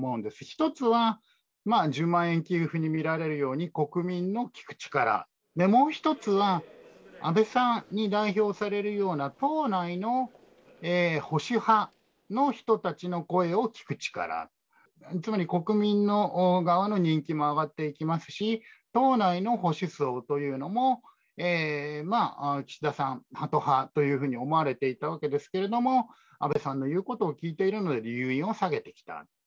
一つは１０万円給付に見られるように、国民の聴く力、もう一つは、安倍さんに代表されるような、党内の保守派の人たちの声を聴く力、つまり国民の側の人気も上がっていきますし、党内の保守層というのも、岸田さん、ハト派というふうに思われていたわけですけれども、安倍さんの言うことを聞いているので留飲を下げてきた。